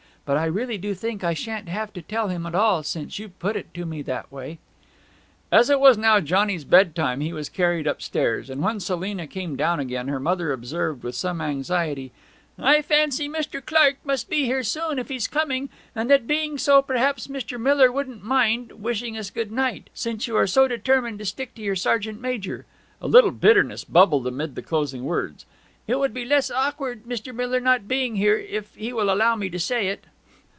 But I really do think I shan't have to tell him at all, since you've put it to me that way!' As it was now Johnny's bedtime he was carried upstairs, and when Selina came down again her mother observed with some anxiety, 'I fancy Mr. Clark must be here soon if he's coming; and that being so, perhaps Mr. Miller wouldn't mind wishing us good night! since you are so determined to stick to your sergeant major.' A little bitterness bubbled amid the closing words. 'It would be less awkward, Mr. Miller not being here if he will allow me to say it.'